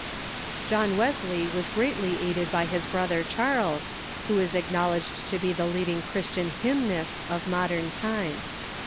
John Wesley was greatly aided by his brother Charles, who is acknowledged to be the leading Christian hymnist of mod ern times.